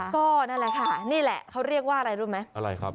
ก็นั่นแหละค่ะนี่แหละเขาเรียกว่าอะไรรู้ไหมอะไรครับ